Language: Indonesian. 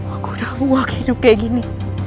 aku udah buah kehidupan kayak gini